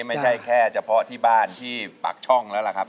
ไม่ใช่แค่เฉพาะที่บ้านที่ปากช่องแล้วล่ะครับ